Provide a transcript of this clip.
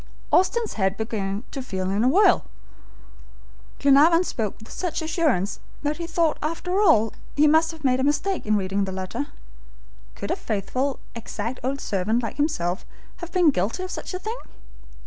Austin's head began to feel in a whirl. Glenarvan spoke with such assurance that he thought after all he must have made a mistake in reading the letter. Could a faithful, exact old servant like himself have been guilty of such a thing!